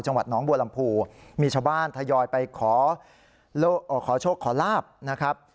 จังหวัดน้องบัวลำพูมีชาวบ้านทยอยไปขอโชคขอลาบนะครับ